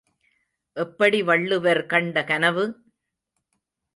எப்படி வள்ளுவர் கண்ட கனவு?